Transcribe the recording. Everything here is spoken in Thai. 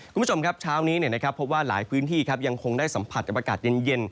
คุณผู้ชมครับเช้านี้พบว่าหลายพื้นที่ยังคงได้สัมผัสกับอากาศเย็น